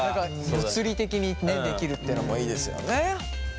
物理的にできるってのもいいですよね。